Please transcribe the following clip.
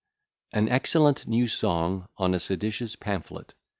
_] AN EXCELLENT NEW SONG ON A SEDITIOUS PAMPHLET.